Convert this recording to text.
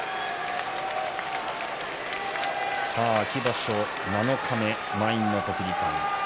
秋場所七日目、満員の国技館。